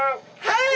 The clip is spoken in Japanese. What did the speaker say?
はい！